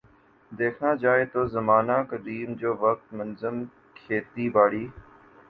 دیکھنا جائے تو زمانہ قدیم جو وقت منظم کھیتی باڑی